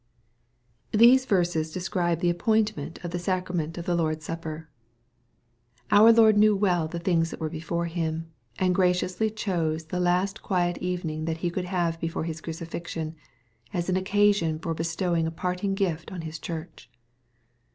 These verses describe the appointment of the sacraoient •J MATTHEW, CHAP. XXVI. 355 of the Lord's Supper. Our Lord knew well the thingi that were before Him, and graciously chose the last quiet evening that he could have before his crucifixion, as an occasion for bestowing a parting gift on his church.